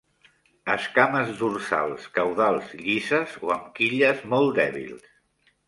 Escames dorsals caudals llises o amb quilles molt dèbils.